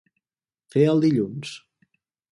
Fer el dilluns.